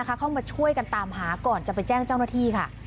เข้ามาช่วยกันตามหาก่อนจะไปแจ้งเจ้าหน้าที่ค่ะ